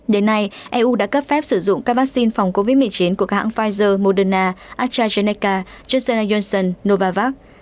đến nay eu đã cấp phép sử dụng các vaccine phòng covid một mươi chín của các hãng pfizer moderna astrazeneca josena yonson novavax